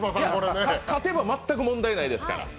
いや、勝てば全く問題ないですから。